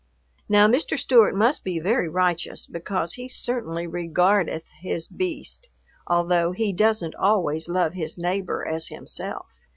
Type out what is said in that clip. Now Mr. Stewart must be very righteous, because he certainly regardeth his beast, although he doesn't always love his neighbor as himself.